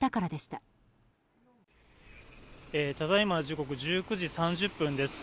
ただいま時刻１９時３０分です。